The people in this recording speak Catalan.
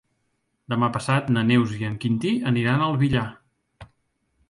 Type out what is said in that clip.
Demà passat na Neus i en Quintí aniran al Villar.